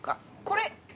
これ！